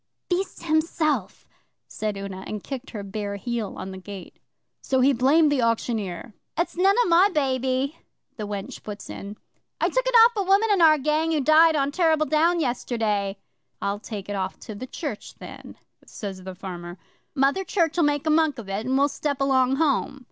'Beast himself!' said Una, and kicked her bare heel on the gate. 'So he blamed the auctioneer. "It's none o' my baby," the wench puts in. "I took it off a woman in our gang who died on Terrible Down yesterday." "I'll take it off to the church then," says the farmer. "Mother Church'll make a monk of it, and we'll step along home."